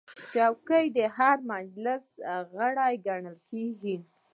چوکۍ د هر مجلس غړی ګڼل کېږي.